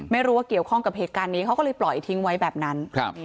ไม่รู้ว่าเกี่ยวข้องกับเหตุการณ์นี้เขาก็เลยปล่อยทิ้งไว้แบบนั้น